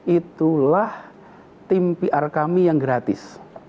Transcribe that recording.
itulah tim pr kami yang gratis